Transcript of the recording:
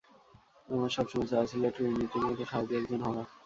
আমার সবসময় চাওয়া ছিল ট্রিনিটির মতো সাহসী একজন হওয়া!